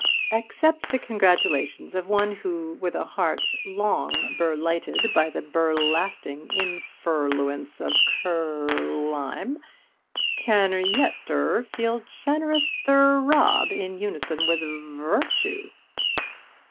"Accept the congratulations of one who, with a heart long ber lighted by the ber lasting in fer luence of ker rime, can er yet er feel a generous ther rob in unison with virr tue."